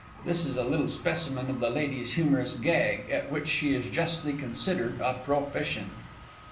[_This is a little specimen of the Lady's humorous "gag," at which she is justly considered a proficient.